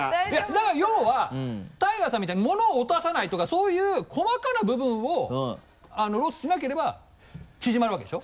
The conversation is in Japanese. だから要はＴＡＩＧＡさんみたいに物を落とさないとかそういう細かな部分をロスしなければ縮まるわけでしょ？